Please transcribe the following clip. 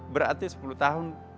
berarti sepuluh tahun